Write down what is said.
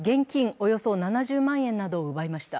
およそ７０万円などを奪いました。